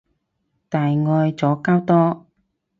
大愛左膠多